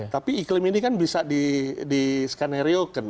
tapi iklim ini kan bisa di skaneriokan